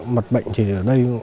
mặt bệnh thì ở đây